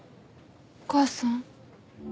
お母さん？